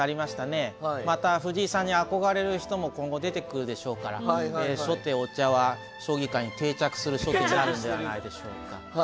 また藤井さんに憧れる人も今後出てくるでしょうから初手お茶は将棋界に定着する初手になるんじゃないでしょうか。